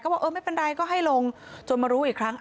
บอกเออไม่เป็นไรก็ให้ลงจนมารู้อีกครั้ง